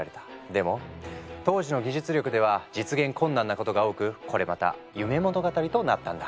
でも当時の技術力では実現困難なことが多くこれまた夢物語となったんだ。